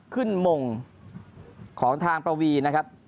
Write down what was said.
มงของทางประวีนะครับ